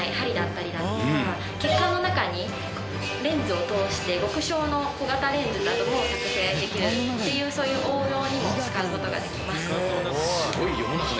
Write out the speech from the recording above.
血管の中にレンズを通して極小の小型レンズなども作製できるっていうそういう応用にも使う事ができます。